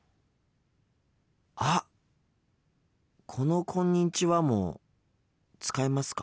あっこの「こんにちは」も使いますか？